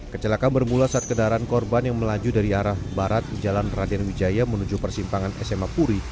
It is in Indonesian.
kecelakaan bermula saat kendaraan korban yang melaju dari arah barat jalan raden wijaya menuju persimpangan sma puri